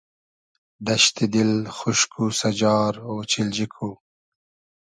دئشتی دیل خوشک و سئجار اۉچیلجی کو